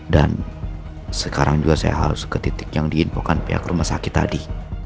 dan sekarang juga saya harus ke titik yang diinfo kan pihak rumah sakit tadi